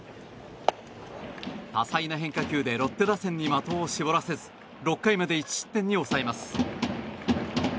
多彩な変化球でロッテ打線に的を絞らせず６回まで１失点に抑えます。